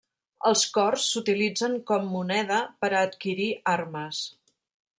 Els cors s'utilitzen com moneda per a adquirir armes.